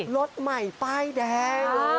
รถใหม่ป้ายแดง